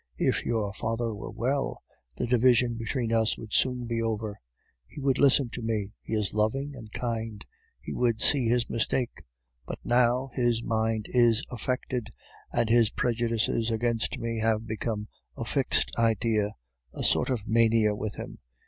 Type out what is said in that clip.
If your father were well, the division between us would soon be over; he would listen to me; he is loving and kind; he would see his mistake. But now his mind is affected, and his prejudices against me have become a fixed idea, a sort of mania with him.